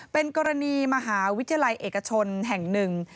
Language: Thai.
เป็นกรณีมหาวิทยาลัยเอกชนแห่งหนึ่ง